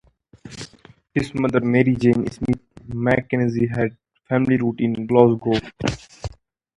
His mother Mary Jane Smith MacKenzie had family roots in Glasgow.